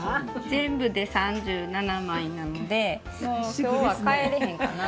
全部で３７枚なのでもう今日は帰れへんかな。